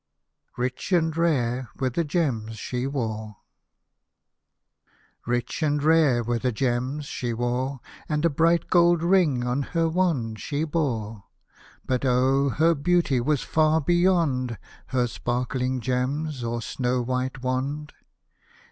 RICH AND RARE WERE THE GEMS SHE WORE Rich and rare were the gems she wore, And a bright gold ring on her wand she bore ; But oh ! her beau^ was far beyond Her sparkling gems, or snow white wand.